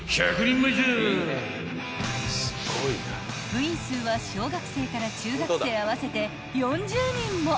［部員数は小学生から中学生合わせて４０人も］